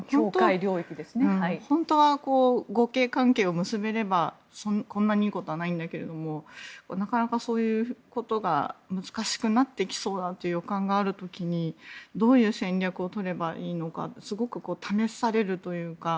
本当は互恵関係を結べればこんなにいいことはないんだけれどもなかなかそういうことが難しくなってきそうだという予感がある時にどういう戦略をとればいいのかすごく試されるというか。